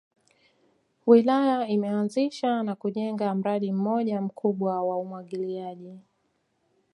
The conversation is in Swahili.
Wilaya imeanzisha na kujenga mradi mmoja mkubwa wa umwagiliaji